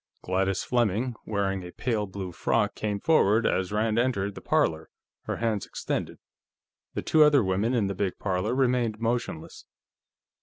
Gladys Fleming, wearing a pale blue frock, came forward as Rand entered the parlor, her hand extended. The two other women in the big parlor remained motionless.